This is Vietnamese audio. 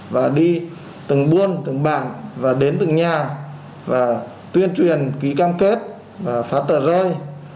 và đi từng buôn từng bảng và đến từng nhà và tuyên truyền ký cam kết và phá tờ rơi